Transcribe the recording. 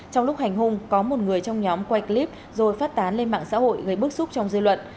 trong lúc hành hung có một người trong nhóm quay clip rồi phát tán lên mạng xã hội gây bức xúc trong dư luận